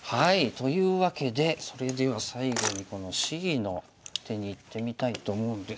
というわけでそれでは最後にこのＣの手にいってみたいと思うんですが。